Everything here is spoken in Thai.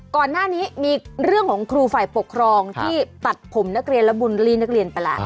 ก่อนหน้านี้มีเรื่องของครูฝ่ายปกครองที่ตัดผมนักเรียนและบุลลี่นักเรียนไปแล้ว